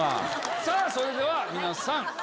それでは皆さん！